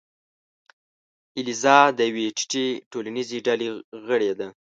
الیزا د یوې ټیټې ټولنیزې ډلې غړې ده.